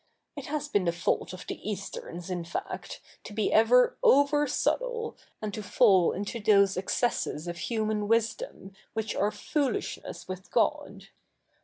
It has been the fault of the Easterns, in fact, to be ever over subtle, and to fall into those excesses of human wisdom which are foolishness with God.